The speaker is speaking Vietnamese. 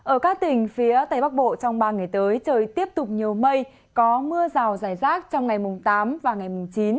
ở các tỉnh phía tây bắc bộ trong ba ngày tới trời tiếp tục nhiều mây có mưa rào rải rác trong ngày mùng tám và ngày mùng chín